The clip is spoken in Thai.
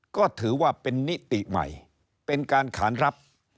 ก็ถือว่าเป็นนิติใหม่เป็นการขานรับ